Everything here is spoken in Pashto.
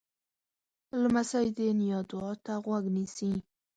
لمسی د نیا دعا ته غوږ نیسي.